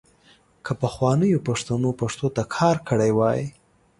که پخوانیو پښتنو پښتو ته کار کړی وای .